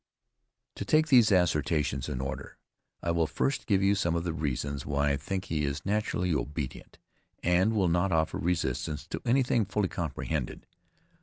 To take these assertions in order, I will first give you some of the reasons why I think he is naturally obedient, and will not offer resistance to anything fully comprehended.